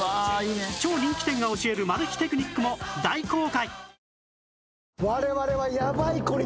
超人気店が教えるマル秘テクニックも大公開